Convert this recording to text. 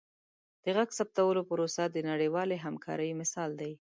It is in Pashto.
د غږ ثبتولو پروسه د نړیوالې همکارۍ مثال دی.